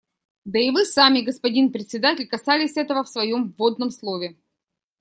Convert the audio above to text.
Да вы и сами, господин Председатель, касались этого в своем вводном слове.